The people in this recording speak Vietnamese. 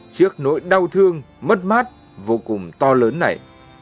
trước nỗi đau thương mất mát vô cùng to lớn này